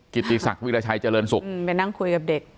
กิจิศักดิ์วิราชัยเจริญสุขหืมไปนั่งคุยกับเด็ก